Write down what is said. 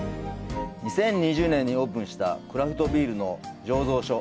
２０２０年にオープンしたクラフトビールの醸造所。